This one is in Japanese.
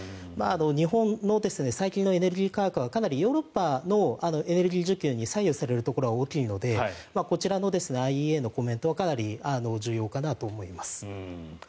日本の最近のエネルギー価格はかなりヨーロッパのエネルギー需給に左右されるところが大きいのでこちらのＩＥＡのコメントはかなり重要かなと思います。